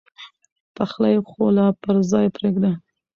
پخلی خو لا پر ځای پرېږده.